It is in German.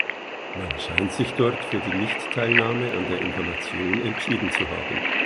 Man scheint sich dort für die Nicht-Teilnahme an der Information entschieden zu haben.